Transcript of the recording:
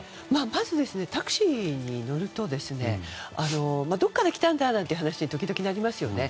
まずタクシーに乗るとどこから来たんだ？なんていう話に時々なりますよね。